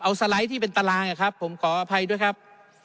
เอาสไลด์ที่เป็นตารางนะครับผมขออภัยด้วยครับ